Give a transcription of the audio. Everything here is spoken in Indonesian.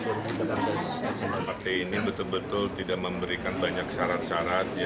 partai ini betul betul tidak memberikan banyak syarat syarat